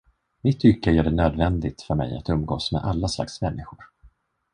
Mitt yrke gör det nödvändigt för mig att umgås med alla slags människor.